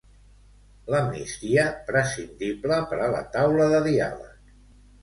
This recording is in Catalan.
L'amnistia, prescindible per a la taula de diàleg.